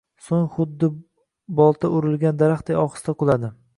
So'ng xuddi boita urilgan daraxtdek ohista quladi: